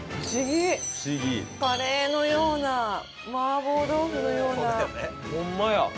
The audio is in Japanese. カレーのような麻婆豆腐のような。